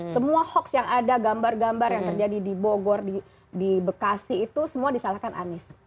semua hoax yang ada gambar gambar yang terjadi di bogor di bekasi itu semua disalahkan anies